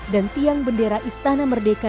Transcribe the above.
dan tiang bendera istana merdeka